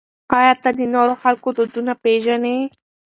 آیا ته د نورو خلکو دودونه پېژنې؟